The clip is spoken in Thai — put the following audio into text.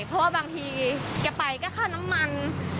เพราะว่าบางทีแกไปก็ค่าน้ำมัน